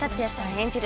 演じる